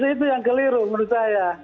itu yang keliru menurut saya